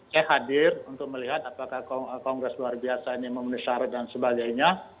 saya hadir untuk melihat apakah kongres luar biasa ini memenuhi syarat dan sebagainya